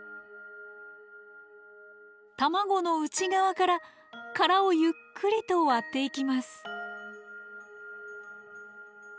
卵の内側から殻をゆっくりと割っていきます。